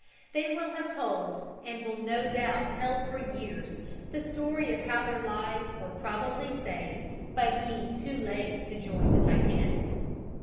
They will have told and will no doubt tell for years the story of how their lives were probably saved by being too late to join the Titanic.